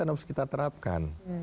kesehatan harus kita terapkan